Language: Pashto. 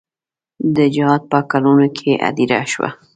د جهاد په کلونو کې هدیره شوه.